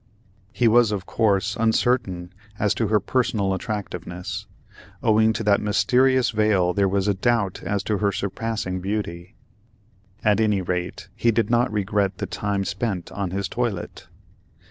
He was of course uncertain as to her personal attractiveness; owing to that mysterious veil there was a doubt as to her surpassing beauty. At any rate he did not regret the time spent on his toilet.